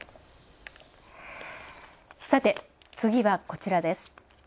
次は、こちらです。